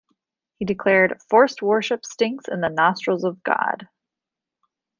He declared, "Forced worship stinks in the nostrils of God.